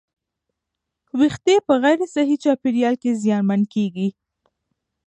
ویښتې په غیر صحي چاپېریال کې زیانمن کېږي.